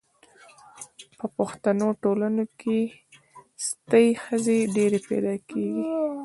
په پښتنو ټولنو کي ستۍ ښځي ډیري پیدا کیږي